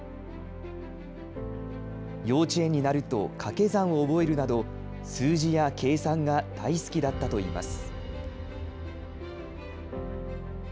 幼稚園になるとかけ算を覚えるなど、数字や計算が大好きだったといいます。